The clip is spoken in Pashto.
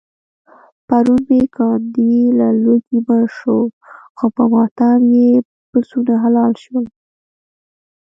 پرون مې ګاونډی له لوږې مړ شو، خو په ماتم یې پسونه حلال شول.